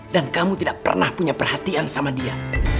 dan kamu tidak pernah punya perhatian sama dia